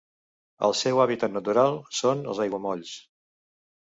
El seu hàbitat natural són els aiguamolls.